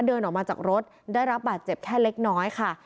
เดินออกมาจากรถได้รับบาดเจ็บแค่เล็กน้อยค่ะ